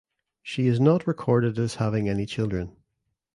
She is not recorded as having any children.